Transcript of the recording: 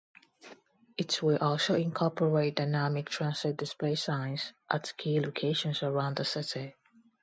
It will also incorporate dynamic transit display signs at key locations around the city.